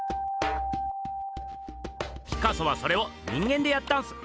ピカソはそれを人間でやったんす。